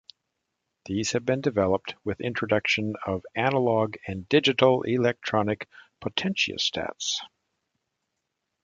These have been developed with introduction of analog and digital electronic potentiostats.